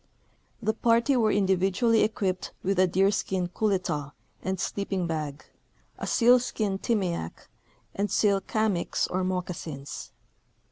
The party were individually equipped with a deerskin " kooletah " and sleeping bag, a sealskin " timiak," and seal " kamiks " or moccasins.